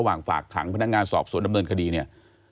ฝากขังพนักงานสอบสวนดำเนินคดีเนี่ย